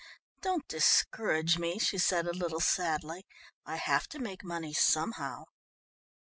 "Don't discourage me," she said a little sadly. "I have to make money somehow."